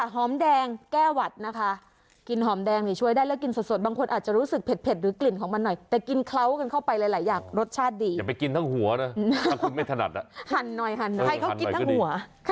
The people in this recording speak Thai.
หันหน่อยให้เขากินทั้งหัว